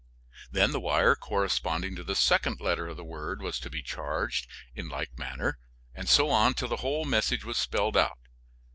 Then the wire corresponding to the second letter of the word was to be charged in like manner, and so on till the whole message was spelled out.